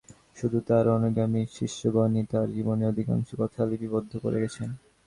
শুধু তাঁর অনুগামী শিষ্যগণই তাঁর জীবনের অধিকাংশ কথা লিপিবদ্ধ করে গেছেন।